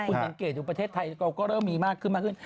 คุณสังเกตดูประเทศไทยเราก็เริ่มมีมากขึ้นมากขึ้น